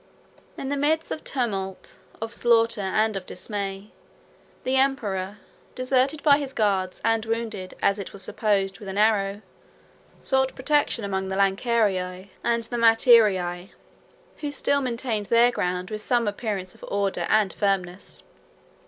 In the midst of tumult, of slaughter, and of dismay, the emperor, deserted by his guards and wounded, as it was supposed, with an arrow, sought protection among the Lancearii and the Mattiarii, who still maintained their ground with some appearance of order and firmness.